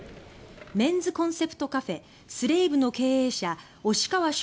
メンズコンセプトカフェ「ＳＬＡＶＥ」の経営者押川翔